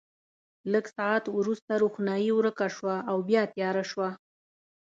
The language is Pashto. لږ ساعت وروسته روښنايي ورکه شوه او بیا تیاره شوه.